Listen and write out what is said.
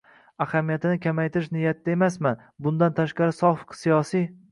ahamiyatini kamaytirish niyatida emasman. Bundan tashqari, sof siyosiy